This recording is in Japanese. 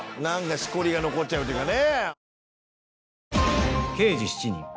しこりが残っちゃうっていうかね。